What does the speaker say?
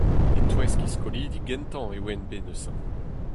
E-touesk he skolidi gentañ e oan bet neuze !